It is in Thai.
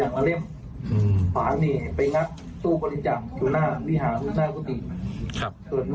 ให้อะไรไปเอาเงินในพิหารปัจจัยในพิหารเอาออกไปแล้ว